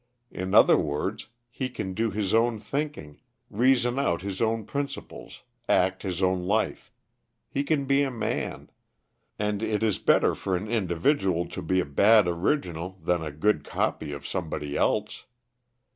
In other words, he can do his own thinking, reason out his own principles, act his own life. He can be a man. And it is better for an individual to be a bad original than a good copy of somebody else.